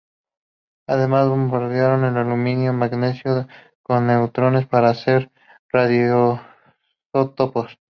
Además bombardearon aluminio y magnesio con neutrones para hacer radioisótopos.